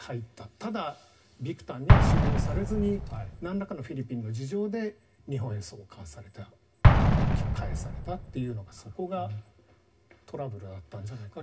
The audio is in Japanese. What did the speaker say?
ただ、ビクタンには収容されずになんらかのフィリピンの事情で日本へ送還された帰されたというのがそこがトラブルがあったんじゃないかと。